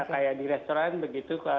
kayak di restoran begitu